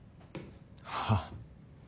はあ。